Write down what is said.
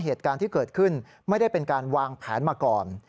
เหตุการณ์ที่เกิดขึ้นไม่ได้เป็นการวางแผนมาก่อน